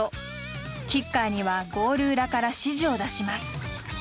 キッカーにはゴール裏から指示を出します。